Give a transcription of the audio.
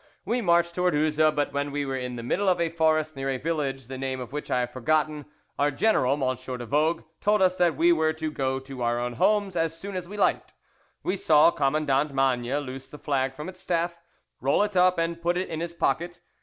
We marched towards Uzes, but when we were in the middle of a forest, near a village the name of which I have forgotten, our general, M. de Vogue, told us that we were to go to our own homes as soon as we liked. We saw Commandant Magne loose the flag from its staff, roll it up and put it in his pocket.